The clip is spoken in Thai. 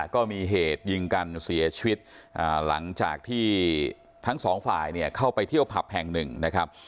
ก็มีเหตุยิงกันเสียชีวิตหลังจากที่ทั้งสองฝ่ายเนี่ยเข้าไปเที่ยวผับแห่งหนึ่งนะครับ